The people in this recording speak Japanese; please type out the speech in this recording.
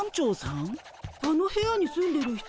あの部屋に住んでる人